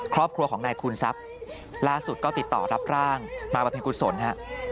ครอบครัวของนายคุณซับล่าสุดก็ติดต่อรับร่างมาประพิกุศลครับ